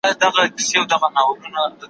په ځيني وختونو کي بايد نعمت پټ سي.